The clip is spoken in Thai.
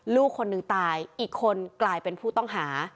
ลูกคนหนึ่งตายอีกคนกลายเป็นผู้ต้องหา